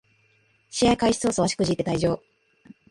試合開始そうそう足くじいて退場